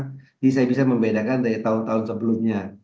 jadi saya bisa membedakan dari tahun tahun sebelumnya